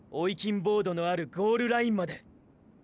ボードのあるゴールラインまで。